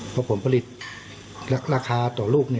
เพราะผลผลิตราคาต่อลูก